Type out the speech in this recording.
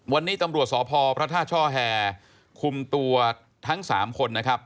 วันนี้ตำรวจสพพระธาชอหแหคล์คุมตัวทั้ง๓คน